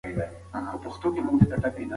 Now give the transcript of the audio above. مور یې اوبه ورکړې او هوښ شو.